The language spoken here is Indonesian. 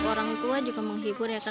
untuk orang tua juga menghibur ya kak